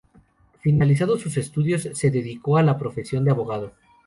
Finalizados sus estudios, se dedicó a la profesión de abogado.